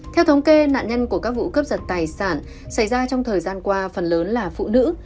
theo thống kê nạn nhân của các vụ cướp giật tài sản xảy ra trong thời gian qua phần lớn là phụ nữ